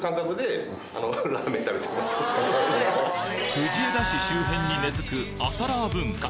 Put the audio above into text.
藤枝市周辺に根付く朝ラー文化。